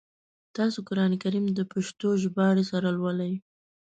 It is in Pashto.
تاسو قرآن کریم د پښتو ژباړي سره لولی ؟